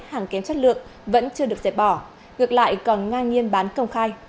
hàng kém chất lượng vẫn chưa được dẹp bỏ ngược lại còn ngang nhiên bán công khai